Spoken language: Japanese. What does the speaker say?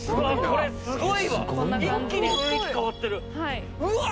これすごいわ一気に雰囲気変わってるうわ